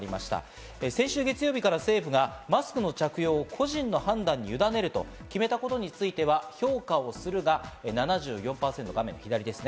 先週月曜日から政府が、マスクの着用は個人の判断にゆだねると決めたことについては、評価するが７４％。